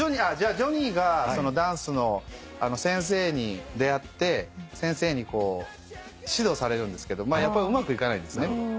じゃあジョニーがダンスの先生に出会って先生に指導されるんですけどやっぱうまくいかないんですね。